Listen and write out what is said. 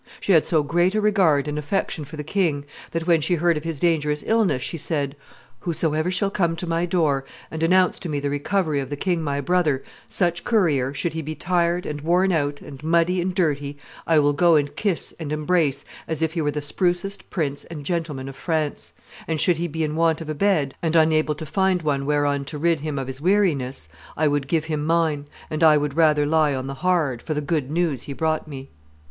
She had so great a regard and affection for the king, that when she heard of his dangerous illness she said, 'Whosoever shall come to my door, and announce to me the recovery of the king my brother, such courier, should he be tired, and worn out, and muddy, and dirty, I will go and kiss and embrace as if he were the sprucest prince and gentleman of France; and, should he be in want of a bed and unable to find one whereon to rid him of his weariness, I would give him mine, and I would rather lie on the hard, for the good news he brought me.